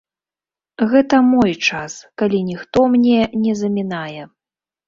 Гэта мой час, калі ніхто мне не замінае.